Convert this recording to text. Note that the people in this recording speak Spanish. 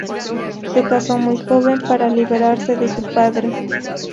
Se casó muy joven para liberarse de su padre.